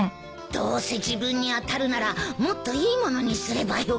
どうせ自分に当たるならもっといいものにすればよかったよ。